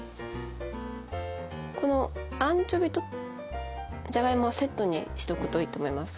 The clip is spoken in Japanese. このアンチョビとじゃがいもはセットにしとくといいと思います。